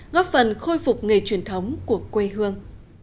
góp phần khôi phục nghề truyền thống của quê hương